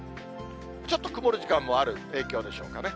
ちょっと曇る時間もある影響でしょうかね。